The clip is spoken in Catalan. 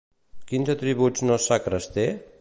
Quins atributs no sacres té?